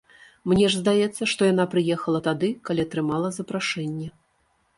Мне ж здаецца, што яна прыехала тады, калі атрымала запрашэнне.